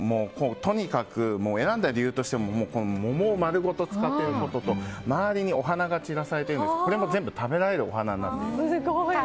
とにかく選んだ理由として桃を丸ごと使っていることと周りにお花が散らされてるんですがこれも全部食べられるお花です。